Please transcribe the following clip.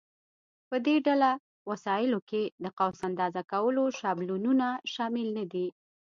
په دې ډله وسایلو کې د قوس اندازه کولو شابلونونه شامل نه دي.